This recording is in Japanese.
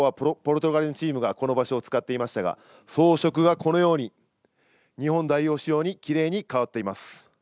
昨日まではポルトガルのチームが使っていましたが装飾がこのように日本代表仕様にきれいに変わっています。